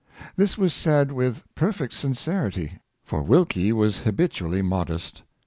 This was said with perfect sincerity, for Wilkie was habitually modest.